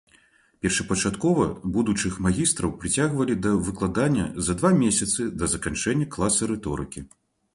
Першапачаткова будучых магістраў прыцягвалі да выкладання за два месяцы да заканчэння класа рыторыкі.